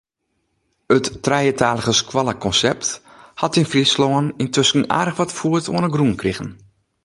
It trijetalige-skoallekonsept hat yn Fryslân yntusken aardich foet oan ’e grûn krigen.